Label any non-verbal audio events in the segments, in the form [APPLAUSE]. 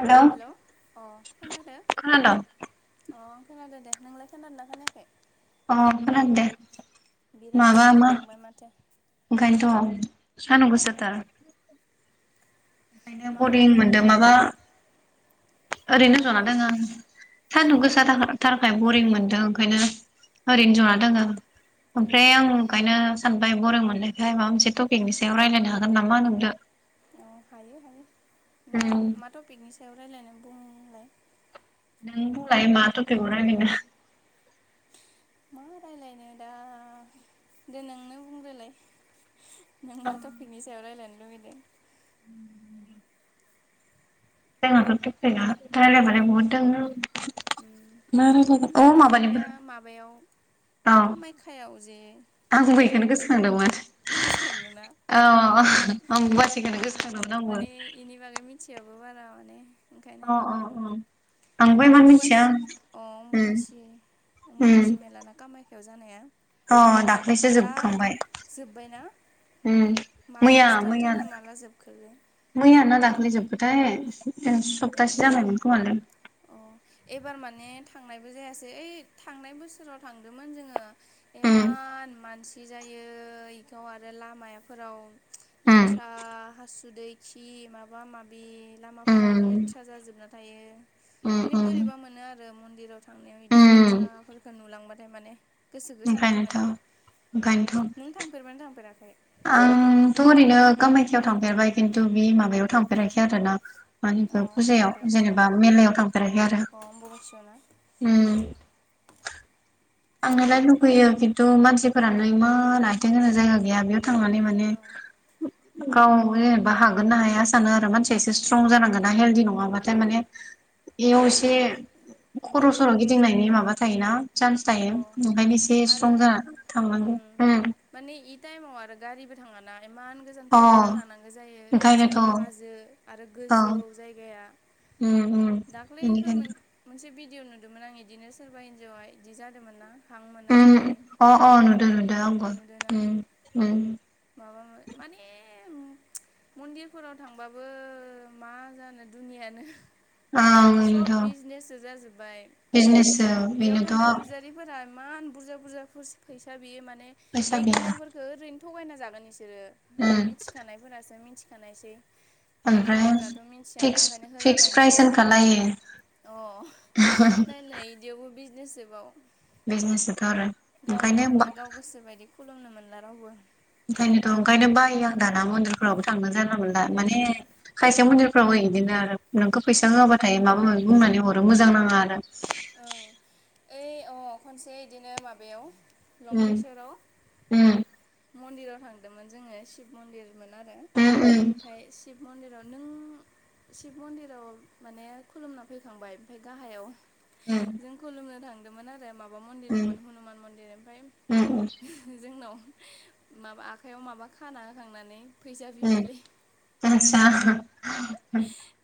हेल' hello अ खोनादो खोनाद खोनादों अ खोनदो दे नोंलाय खोनादों ना खोनायाखै अ खोनादो दे बिराद माबा सान्दुं मा दुंबाय माथो ओंखायनोथ' सानाव गोसोथार ओंखायनो मा बरिं खालामबाय दं मोनदों माबा ओरैनो मा जना होनदो दोङो आं अ सान्दुं गोसा थारखा थारखाय बरिं मोन दो ओंखायनो ओरैनो जना उम दङ ओमफ्राय आं ओंखायनो सान बाय बरिं मोननायखाय माबा मोनसे टपिकनि सायाव रायजलायनो हागोन नामा नोंदो औ हायो हायो नों उम मा टपिकनि सायाव रायलायनांगो नों बुंलाय मा टफिकयाव रायलायनो मा राय्लायनो दा दे नोंनो बुंग्रोलाय नों मा टपिकनि सायाव रायज्लायनो लुबैदों जोंहाथ' टपिका राय्लायबालाय बहुद दङ उम मा लायलायगोन अ माबानिबो औ कामायखायाव जे आं माबा बेखौनो जागासिनो गोसोखांदोंमोन गोसोखांदोंना औ आं बासिखौनो गोसो खांदोंमोन आंबो थियाबो बारा माने ओंखायनो अ अ अ आंबो इमान मिथिया अम्बुबासि अ उम अम्बुबासि उम अम्बबासि मेलाना कामायखायाव जानाया अ दाख्लैसो दा जोबखांबाय जोब्बायना उम माला मैया स्टार्ट जाना मैयानो माला जोबखो मैया ना दा ख्लै जोबखोथाय सप्तासे उम जाबायमोन खोमालै अ एबार माने थांनायबो जायासै ओइ थांनाय बोसोराव थांदोंमोन जोङो उम इमान मानसि दि जायो इखौ आरो लामाफोराव उम लेथ्रा हासुदै खि इ माबा-माबि लामाफोरानो उम लेथ्रा जाजोबना थायो उम माने उम बोरैबा मोनो आरो मन्दिराव थांनायाव बिदि उम लेथ्राफोरखौ नुलांबाथाय माने गोसोखौ सान्थि मोना नों ओंखायनोथ'-ओंखायनोथ' थांफेरबायना थांफेराखै आंथ' ओरैनो कामायखायाव थांफेरबाय खिन्थु बे माबायाव थांफेराखै आरो ना अ मानिखो फुजायाव माबायाव जेनेबा मेलायाव थांफेराखै आरो अ अम्बुबासियाव ना उम [INAUDIBLE] आंनोलाय लुुबैयो खिन्थु मानसिफोरानो इमान आथिं होनो जायगा गैया बेयाव थांनानै माने ओंखायनोथ' गाव जेनेबा हागोन ना हाया सानो आरो मानसिया एसे स्ट्रं उम जानांगोन ना हेल्दि नङाबाथाय उम माने बेयाव एसे खर' बोरैबा सर' गिदिंनायनि मोनजोबोलै माबा थायोना चान्स अ ओंखायनो एसे आरो स्ट्रं जाना थांनांगौ उम माने इ टाइमाव आरो गारिबो थाङाना इमान गोजान अ थाबायना थांनांगौ जायो इनि ओंखायनोथ' सायाव औ हाजो आरो गोजौ जायगाया उम उम दाख्लैफोर बेनिखायनोथ' मोनसे भिडिय' नुदोंमोन आं बिदिनो सोरबा हिन्जावा बिदि जादोंमोन ना हां मोना जानानै अ अ नुदो नुदो आंबो नुदोना माबा माने मन्दिरफोराव थांबाबो मा जानो दुनियानो ओं सब बेनोथ' बिजनेससो जाजोब्बाय बिजनेससो बेयाव थानाय बेनोथ' फुजारिफोरा इमान बुरजा बुरजा फैसा बियो माने फैसा एक बियो दिनाफोरखौ ओरैनो थगायना जागोन इसोर बिसोरो दा उम मिथिखानायफोरासो मिथिखानायसै ओमफ्राय एकदिनाफोराथ' मिथियाना फिक्स ओंखायनो फिक्स प्राइस होलाबायनोसै होनखालायो अ नायलाय बिदियावबो बिजनेसोबाव बिजनेसोथ' आरो थांना ओंखायनो गाव गोसोबायदि खुलुमनो मोनला रावबो ओंखायनोथ' ओंखायनो बायो आं दाना मन्दिरफ्रावबो थांनो जाना मोनला माने उम खायसे मन्दिरफ्रावबो बिदिनो आरो नोंखौ फैसा औ होआबाथाय माबा माबि बुंनानै हरो मोजां नाङा आरो औ ओइ अ खनसे बिदिनो माबायाव उम लंकेशराव उम मन्दिराव थांदोंमोन जोङो शिब मन्दिर मोन आरो उम उम ओमफ्राय शिब मन्दिराव नों शिब मन्दिराव माने खुलुमना फैखांबाय ओमफ्राय गाहायाव उम जों खुलुमनो थांदोंमोन आरो माबा माबा मन्दिर उम दंमोन हनुमान मन्दिर ओमफ्राय उम उम जोंनाव माबा आखाइयाव माबा खाना होखांनानै फैसा बिबायलै [UNINTELLIGIBLE]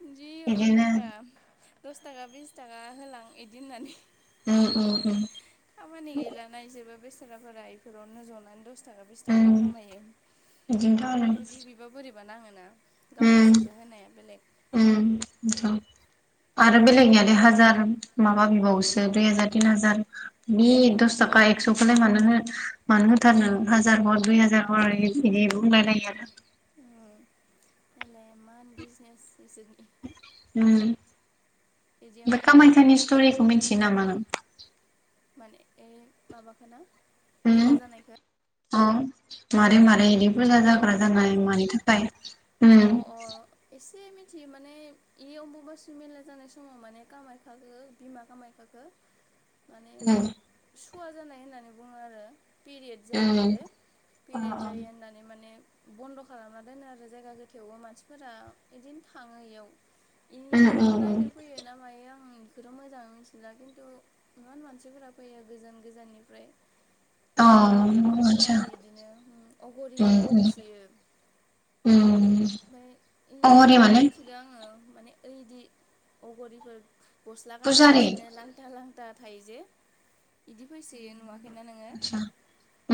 जि बिदिनो अयनायखा दस थाखा बिस थाखा होलां बिदि होननानै उम खामानि गैला ना इसोरबो बेसोराफोरा इफोरावनोजनानै दस दस थाखा बिस थाखा उम खामायो बिदिनोथ' आरो बिदि बिबा बोरैबा नाङोना गाव गोसो जो उम होनाया बेलेग आरो उम बेलेगनियालाय हाजार माबा बिबावोसो दुइ हाजार तिन हाजार बे अ दस थाखा एकस'खौलाय मानो हो मानो होथारनो हाजार हर दुइ हाजार हर बिदि बुंलायलायो आरो नायलाय एमान बिजनेसनिसो बे बिदियावनोथ' कामायखानि भगबान स्ट'रिखौ मिथियो नामा नों माने ए माबााखो ना मेला जानायखो औ मारै मारै बिदि फुजा जाग्रा बेखोना जानाय मानि थाखाय अ उम अ एसे मिथियो माने बे अमबाबासि मेला जानाय समाव माने खामायखाखो बिमा खामायखाखो [UNINTELLIGIBLE] माने उम सुवा जानाय होननानै बुङो आरो। पिरियोद जायो उम जे अ पिरियोद जायो होननानै माने बन्द' खालामना दोनो आरो जायगाखो। थेवबो मानसिफोरा बिदिनो थाङो इयाव। उम उम इखोनो नायनो फैयो ना मायो आं। बेखौथ' मोजाङै मिथिला किन्तु इमान मानसिफोरा फैयो गोजान-गोजाननिफ्राय। अ भारा खालामनानै आतसा गारि बिदिनो अग'रिफोरबो फैसोयो। ओम। ओमफ्राय इखिनिखोनो मिथिगौ आङो माने एैदि अग'रिफोर। गस्ला फुजारि गानालासिनो लांता-लांता थायोजे बिदि फैसैयो नुवा। नुवाखैना नोङो? आतसा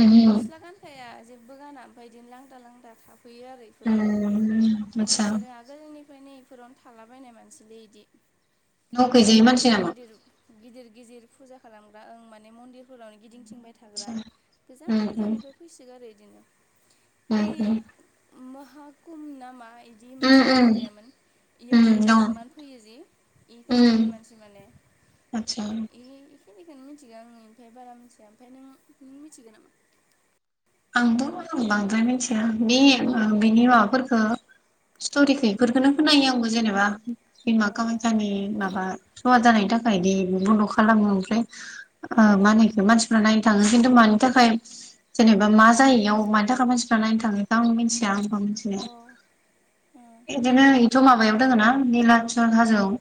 उम उम गस्ला गानखाया जेबो गाना ओमफाय इदिनो लांता-लांता था। फैयो आरो इफोरावनो उम माने आतसा इसोरो आगोलनि। [UNINTELLIGIBLE] इफोरावनो थालाबायनाय मानसिलै इदि। न' गैजायै मानसि नामा? गिदिर-गिदिर फुजा खालामग्रा ओं माने मन्दिरफोरावनो गिदिंथिं। थिंबाय थाग्रा आदसा उम उम गोजान-गोजाननिफ्राय फैसो गारो इदिनो। उम ओइ माहाकुम ना मा इदि उम मोनसे उम माबा गैयामोन? उम इयावबो जि दं इमान फैयो जि इफोरबायदि मानसि माने। आतसा। बेखिनिखौनो मिथिगौ आङो ओमफ्राय बारा मिथिया ओमफ्राय नों-नों मिथिगो नामा? आंथ' बांद्राय मिथिया बे माबा बेनि माबाफोरखो। स्टरिखो इफोरखोनो खोनायो आंबो जेनेबा बिमा कामाख्यानि माबा सुवा जानाय। थाखाय इदि बन्द' खालामो ओमफ्राय। ओ मा होनो अ इखो मानसिफोरा नायनो थाङो किन्तु मानि थाखाय जेनेबा। बा मा जायो इयाव मानि थाखाय मानसिफोरा नायनो थाङो? इखौ आं मिथिया। अ अ इदिनो इथ' मा। माबायाव दङ ना निलाचल हाजोआव?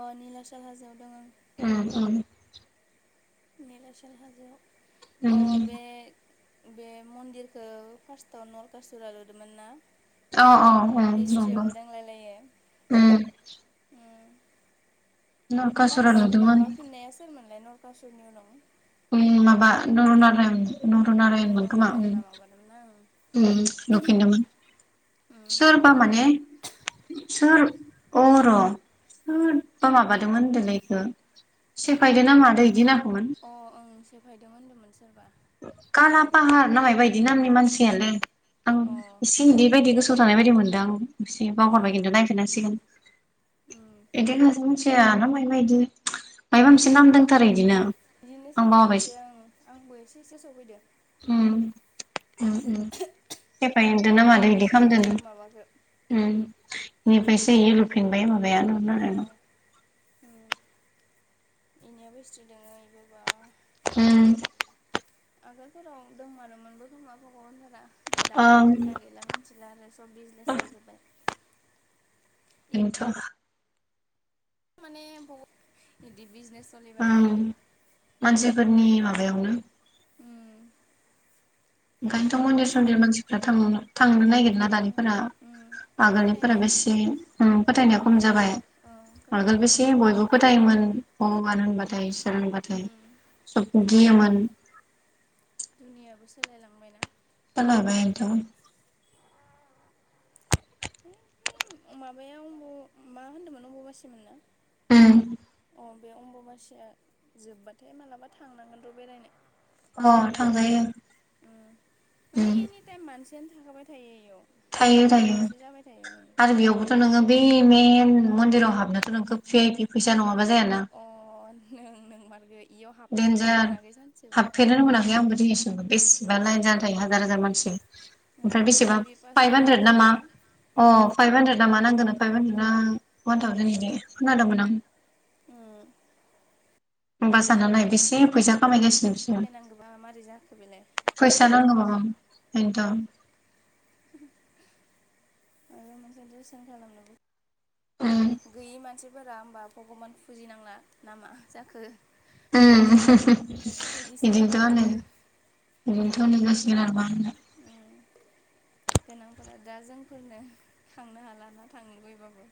अ निलासल हाजोआव दङो। ओम-ओम। निलासल हाजोआ अ उम बे। बे मन्दिरखौ फार्स्टआव नरकासुरा लुदोंमोन ना? अ-अ-अ नंगौ हिस्ट्रियावबो दांलायलायो उम। उम नरकासुरा लास्ट नुदोंमोन माबाफिननाया सोरमोनलाय नरकासुरनि उनाव? उम माबा नर'नारायण। अ नरनारायणमोन खोमा उम नर'नारायणआ माबादोंमोन ना? उम लुफिनदोंमोन। उम सोरबा माने सोर अ। र' सोरबा माबादोंमोन होन्दोलै इखो सेफायदों ना मादों इदि होनाख। अ ओं सेफायदों होनदोंमोन सोरबा। काला बिदिनो पाहार ना मायबा इदि नामनि मानसियालै। आं अ ओं एसे इदि बायदि गोसोआव थानाय बायदि मोनदों आं। एसे बावगारबाय किनतु नायफिनांसिगोन उम इदि होननासो मि। ना मायबा इदि माइबा मोनसे नाम दों। अ बिदिनो सोरबा सासेआ ओं आंबो एसे-एसे गोसाव फैदों। ओम- ओम- ओम सेफायदो ना बावबाय मादो माने इदि खामदो एगजेक्ट होनदो। माबाखौ ओम इनिफायसो इयो लुफिनबाय माबाया नर'नारायणआ। ओम इनियाबो हिस्थ्रि दोङो गोबां। उम। आगोलफोराव दंमारोमोनबो खोमा भगबानफोरा। दाबा ओं दोंना गैला मिथिला आरो सब बिजनेस जाजोब्बाय। बिदि इनथ माने बहुत फोरनि माबा ओंखायनोथ मन्दिर सन्दिर मानसिफोरा थां थांनो नागिर ला थांनो दानिफोरा उम आगोलनिफोरा फोथायनाया बेसे फोथायनायाव अ खम जाबाय औ आगोल फोथायनायफोरा बेसे खम बयबो जालांबाय फोथायोमोन सल बाथ उम सबखो गियोमोन दुनियाबो सोलायलांबायना सोलायबायानोथ है माबायाव अमब मा होनदोंमोन अमबबासिमोन ना ओम अ बे अम्बामासिया जोबबाथाय मालाबा थांनांगोन र बेरायनो अ होमबाना माने थांजायो ओम माने उम एनि टाइम मानसियानो थाखाबाय थायो इयाव थायो बहुद थायो मानसि जाबाय थायो आरो बेयावबोथ नोङो बे मेन मन्दिराव हाबनोथ नोंखौ भि आइ पि फैसा नङा बा अ नों नोंमारगै देन्जार हाबफेरनोनो मोनाखै आंबो दिनैसिमबो बेसेबा लाइन जानां- हाजार हाजार मानसि ओमफ्राय उम भि बेसेबा आइ पि पास फाइभ लानांगौ हान्द्रेद ना मा जायोना अ फाइभ हानद्रेदना मा उम नांगोन फाइभ हानद्रेना अवान थावजेन इदि खोनादोंमोन आं उम होमबा सानना नाय बेसे फैसा खामायगासि- नो नांगौबा मारै जाखो बेलाय फैसा नांगोबा मा बेनोथ आरो मोनसे जोसन खालामनोबो उम माबा गैयि मानसि फोरा होमबा भगबान फुजिनांला ना मा जाखो उम इदिसो बिदिनोथ जाबाय होनो माथो ओम थ नोंङो स्केनार बाहायना उम गोनांफोरा दा जोंफोरनो थांनो हालाना थांनो लुुबैबाबो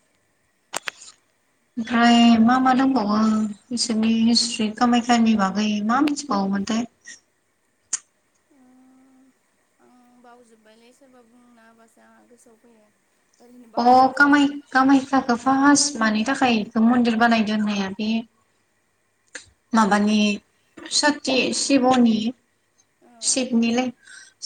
[UNINTELLIGIBLE] ओमफ्राय मा मा दंबावो बिसोरनि हिस्ट्रि कमाख्यानि बागै मा मिथिबावो मामोन थाय [UNINTELLIGIBLE] आं बावजोबायलै सोरबा बुंना होबासो आंहा गोसोआव फैयो ओरैनो अ बावनानै कामाय थाजोबो कामाख्याखौ फार्स मानि थाखाय मन्दिर बानायदो होननाया बे माबानि सति शिबनि औ सिबनिलोय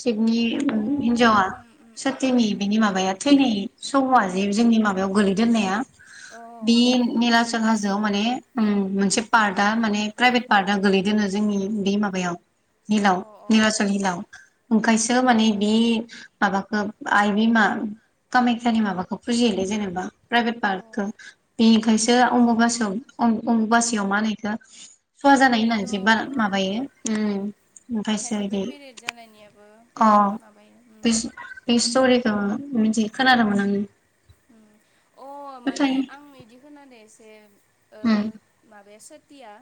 सिबनि अ हिनजावा उम उम उम सतिनि बिनि माबाया थैनाय सहआ जे जोंनि माबायाव गोलैदो होननाया औ बे ओं निलाचल मिथिगौ हाजोआव माने उम मोनसे पार्टआ अ माने प्राइभेट पार्टआ गोलै- दोनो जोंनि बे माबायाव अ निलाव अ अ उम हिलाव ओंखायसो अ माने बे माबाखौ आइ बिमा कामायख्यानि माबाखौ फुजियोलै जेनेबा प्राइभेट उम ओ पार्टखो बेनिखायसो अमबबासियाव अम-अमबुबासियाव मा होनो बेखो सुवा जानाय होननानै जे बा ओंखायनोथ' ओं माबायो ओमफ्रायसो ओंखायनोथ बे बिदि पेरेड जानायनियाबो अ माबायो अ मोनथि खोनादोंमोन आङो अ माने फोथायो आं इदि खोनादो एसे ओ उम माबाया सतिया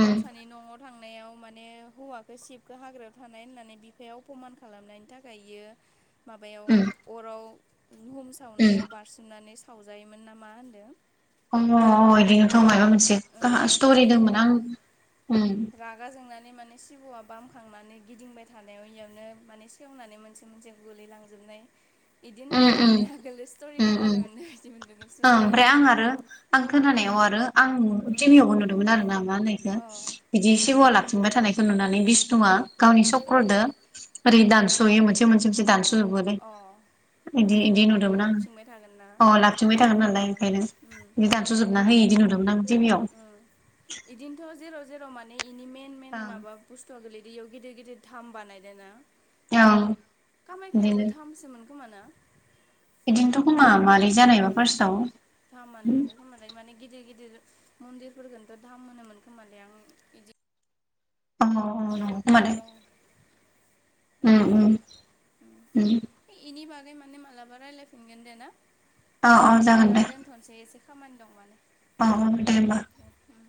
उम गावसानि न'आव थां- नायाव माने हौवाखौ सिशबखो हाग्रायाव थानाय होननानै बिफाया अपमान खालामनायनि थाखाय इयो माबायाव उम अराव हुम उम सावनायाव बारसोमनानै सावजायोमोन नामा होन्दों अ अ इदिनोथ माबा मोनसे ओं काहस्टरि ओमफ्राय दंमोन आं बेखौनोथ' उम रागा जोंनानै माने सिबआ बामखांनानै गिदिंबाय थानायाव इयावनो माने सेवनानै मोनसे मोनसे गोलैलांजोब नाय बिदि उम होननानै उम माने आगोल स्टरि उम उम खोनानो मोननाय बायदि मोनदो। ओं ओमफ्राय आं आरो आं खोनानायाव आरो। आं उम टिभियावबो नुदोंमोन आर ना मा होनो इखो अ बिदि सेवाला थिंबाय थानायखौ नुनानै बिष्णुआ गावनि उम सक्रदो ओरै उम दानस यो मोनसे मोनसे मोनसे दानस जोबोलै अ इदि इदि नङाबा इयो नुदोंमोन लाबथिंबाय थागोन ना आं ला बथिंबाय थादोमोन नालाय उम ओंखायनो बिदि दानसजोबना होयो इदि नुदोंमोन आं टिभियाव उम बिदिनोथ जेराव जेराव माने इनि मेन मेन ओं माबा बुस्थुआ गोलैदो। दैयाव गिदिर गिदिर दाम बानायदोंना ओं बिदिनो कामाख्याबो थामसो मोन खमाना [UNINTELLIGIBLE] बिदिनोथ' खोमा मारै जानायबा फार्स्टआव धामानो मोनदों खोमालाय माने गिदिर मन्दिरफोरखौनोथ' दाम होनोमोन खोमालै आं बिदि अ अ अ नंगौ खोमा दै [UNINTELLIGIBLE] दं उम उम उम। इनि माने मालाबारायलायफिनगोन दे ना औ औ जागोन दा दे दोनथ'नोसै एसे खामानि दं माने अ अ दे होमबा [UNINTELLIGIBLE] दे उम